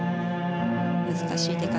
難しい出方。